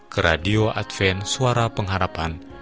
ke radio advent suara pengharapan